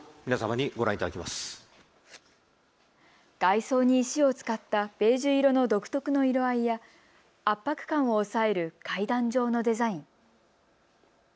外装に石を使ったベージュ色の独特の色合いや圧迫感を抑える階段状のデザイン。